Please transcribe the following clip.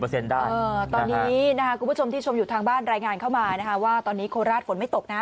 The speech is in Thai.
ตอนนี้คุณผู้ชมที่ชมอยู่ทางบ้านรายงานเข้ามานะคะว่าตอนนี้โคราชฝนไม่ตกนะ